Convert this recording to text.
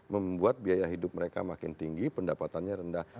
membuat biaya hidup mereka makin tinggi pendapatannya rendah